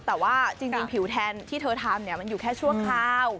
แต่ว่าจริงผิวแทนที่เธอทำมันอยู่แค่ชั่วคราว